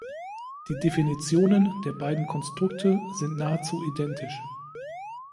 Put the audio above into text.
Die Definitionen der beiden Konstrukte sind nahezu identisch.